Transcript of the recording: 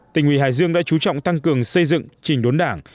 tỉnh ủy hải dương đã chú trọng tăng cường xây dựng trình đốn đảng